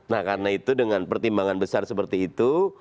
nah karena itu dengan pertimbangan besar seperti itu